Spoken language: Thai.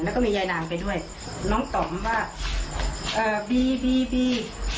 แล้วก็มียายนางไปด้วยน้องตอบมาว่าเอ่อบีบี